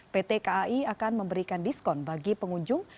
pt kai akan memberikan diskon bagi pengunjung